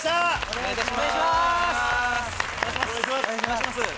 お願いします。